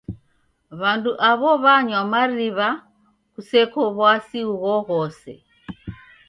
W'andu aw'o w'anywa mariw'a kuseko w'asi ughoghose.